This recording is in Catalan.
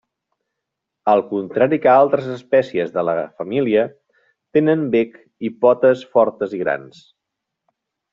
Al contrari que altres espècies de la família, tenen bec i potes fortes i grans.